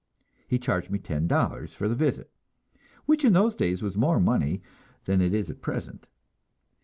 He charged me ten dollars for the visit, which in those days was more money than it is at present.